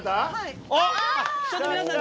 ちょっと皆さん